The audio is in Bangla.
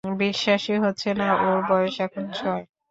বিশ্বাসই হচ্ছে না ওর বয়স এখন ছয়!